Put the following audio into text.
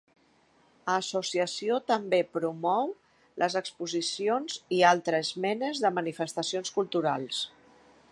A associació també promou les exposicions i altres menes de manifestacions culturals.